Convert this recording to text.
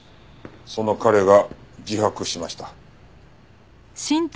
その彼が自白しました。